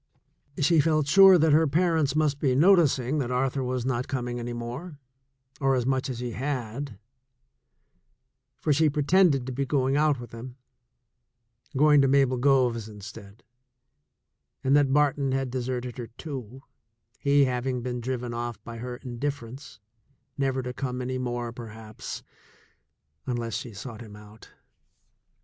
She felt sure that her parents must be noticing that Arthur was not coming any more, or as much as he had — for she pretended to be going out with him, going to Mabel Gove's instead — and that Barton had deserted her too, he having been THE SECOND CHOICE 149 driven off by her indifference, never to come any more, perhaps, unless she sought him out.